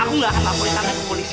aku ngelahan laporan tante ke polisi